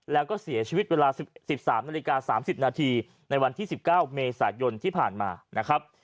แล้วก็เสียชีวิตเวลา๑๓นาฬิกา๓๐นาทีในวันที่๑๙เมษายนที่ผ่านมานะครับ